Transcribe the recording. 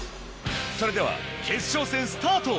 それでは決勝戦スタート！